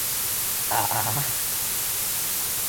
a a a!